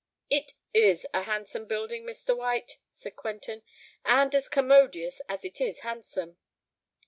"It is a handsome building, Mr. White," said Quentin; "and as commodious as it is handsome."